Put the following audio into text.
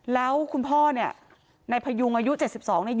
แล้วคุณพ่อเนี้ยในพยุงอายุเจ็ดสิบสองเนี้ย